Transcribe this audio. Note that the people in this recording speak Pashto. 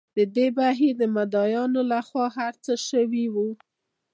د دې بهیر د مدعییانو له خوا هر څه شوي وو.